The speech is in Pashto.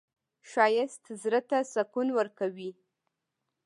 ښایست زړه ته سکون ورکوي